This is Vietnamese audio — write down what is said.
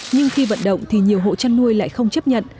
nhưng khi vận động thì nhiều hộ chăn nuôi lại không chấp nhận